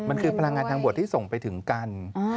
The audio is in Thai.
มันคือพลังงานทางบวชที่ส่งไปถึงกัน